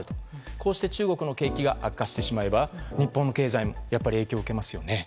こうして中国の景気が悪化してしまえば日本経済も影響を受けますよね。